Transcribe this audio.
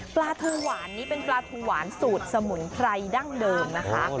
ปลาทูหวานนี้เป็นปลาทูหวานสูตรสมุนไพรดั้งเดิมนะคะ